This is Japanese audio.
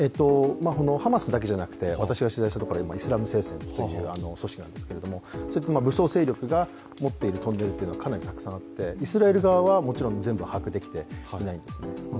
ハマスだけじゃなくて、私が取材したのはイスラム聖戦の組織なんですけど武装勢力が持っているトンネルというのはかなりたくさんあって、イスラエル側はもちろん全部把握できていないんですね。